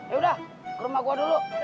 yaudah ke rumah gua dulu